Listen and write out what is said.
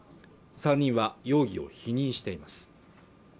３人は容疑を否認しています